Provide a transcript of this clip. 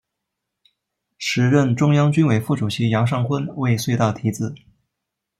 时任中央军委副主席杨尚昆为隧道题字。